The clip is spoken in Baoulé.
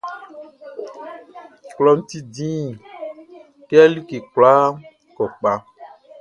Klɔʼn ti dĩn kɛ like kwlaa kɔ kpaʼn.